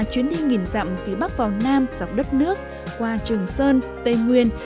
chuyến đi nghìn dặm từ bắc vào nam dọc đất nước qua trường sơn tây nguyên